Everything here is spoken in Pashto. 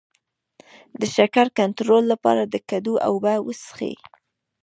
د شکر کنټرول لپاره د کدو اوبه وڅښئ